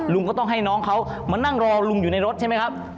ลุงก็ต้องให้น้องเขามานั่งรอลุงอยู่ในรถใช่ไหมครับ